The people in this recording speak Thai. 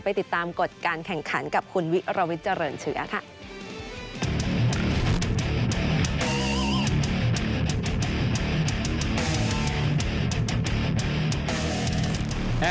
ติดตามกฎการแข่งขันกับคุณวิรวิทย์เจริญเชื้อค่ะ